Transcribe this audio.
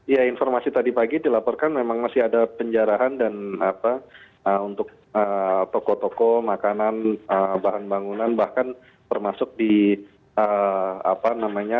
ya informasi tadi pagi dilaporkan memang masih ada penjarahan dan apa untuk toko toko makanan bahan bangunan bahkan termasuk di apa namanya